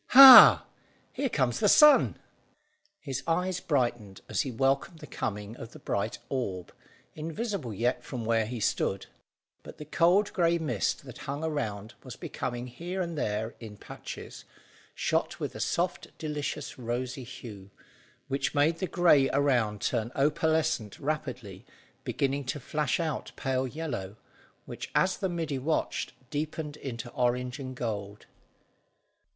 "Hah! Here comes the sun." His eyes brightened as he welcomed the coming of the bright orb, invisible yet from where he stood; but the cold grey mist that hung around was becoming here and there, in patches, shot with a soft delicious rosy hue, which made the grey around turn opalescent rapidly, beginning to flash out pale yellow, which, as the middy watched, deepened into orange and gold.